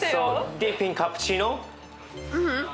ディップインカプチーノ？